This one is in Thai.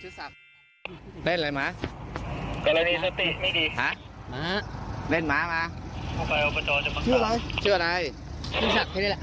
ชื่อศักดิ์ใช่ไหมล่ะชื่อศักดิ์เหรอ